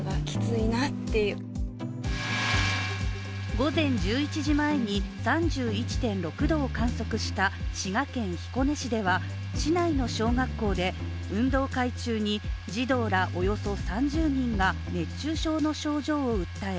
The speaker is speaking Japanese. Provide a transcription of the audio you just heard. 午前１１時前に３１．６度を観測した滋賀県彦根市では市内の小学校で運動会中に、児童らおよそ３０人が熱中症の症状を訴え